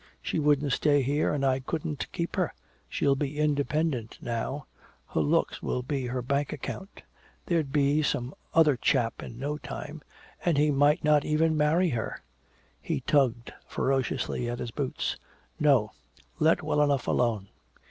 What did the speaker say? She wouldn't stay here and I couldn't keep her. She'll be independent now her looks will be her bank account. There'd be some other chap in no time, and he might not even marry her!" He tugged ferociously at his boots. "No, let well enough alone!"